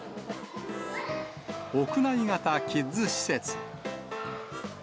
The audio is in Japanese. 屋内型キッズ施設。